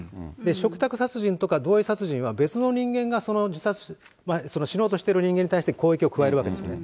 嘱託殺人とか同意殺人は別の人間がその自殺、死のうとしてる人間に対して攻撃を加えるわけですよね。